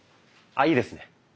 あいいですね。